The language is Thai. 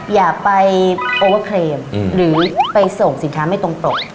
อย่าไปโอเวอร์เครมหรือไปส่งสินค้าไม่ตรงปก